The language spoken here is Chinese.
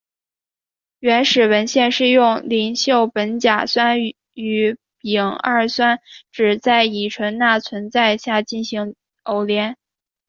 原始文献是用邻溴苯甲酸与丙二酸酯在乙醇钠存在下进行偶联。